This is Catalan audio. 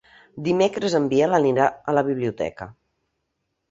Dimecres en Biel anirà a la biblioteca.